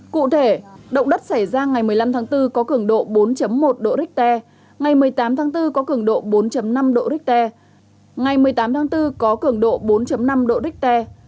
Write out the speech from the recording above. cụ thể động đất xảy ra ngày một mươi năm tháng bốn có cường độ bốn một độ richter ngày một mươi tám tháng bốn có cường độ bốn năm độ richter ngày một mươi tám tháng bốn có cường độ bốn năm độ richter